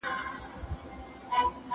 دا بزم ازلي دی تر قیامته به پاتېږي.